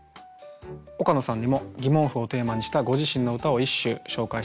岡野さんにも「？」をテーマにしたご自身の歌を一首紹介して頂きます。